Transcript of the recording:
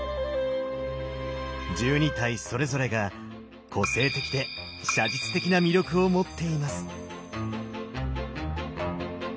１２体それぞれが個性的で写実的な魅力を持っています。